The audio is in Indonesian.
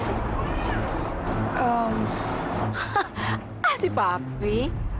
hah sih pak pi